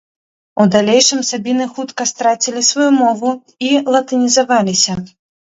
У далейшым сабіны хутка страцілі сваю мову і латынізаваліся.